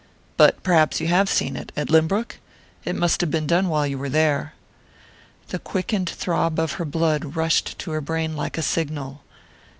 "But perhaps you have seen it at Lynbrook? It must have been done while you were there." The quickened throb of her blood rushed to her brain like a signal.